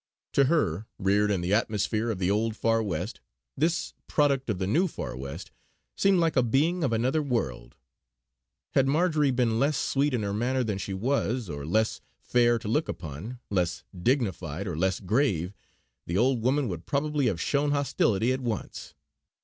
To her, reared in the atmosphere of the Old Far West, this product of the New Far West seemed like a being of another world. Had Marjory been less sweet in her manner than she was, or less fair to look upon, less dignified, or less grave, the old woman would probably have shown hostility at once.